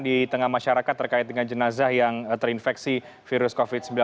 di tengah masyarakat terkait dengan jenazah yang terinfeksi virus covid sembilan belas